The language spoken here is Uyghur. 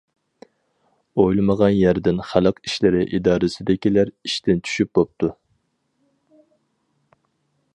ئويلىمىغان يەردىن خەلق ئىشلىرى ئىدارىسىدىكىلەر ئىشتىن چۈشۈپ بوپتۇ.